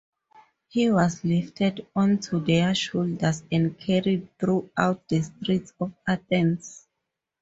He was lifted onto their shoulders and carried throughout the streets of Athens.